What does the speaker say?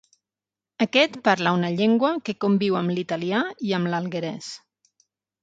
Aquest parla una llengua que conviu amb l'¡talià i amb l'alguerès.